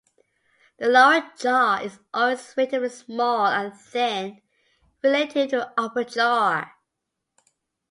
The lower jaw is always relatively small and thin relative to the upper jaw.